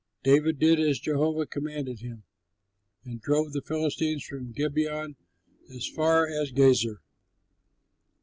David did as Jehovah commanded him and drove the Philistines from Gibeon as far as Gezer.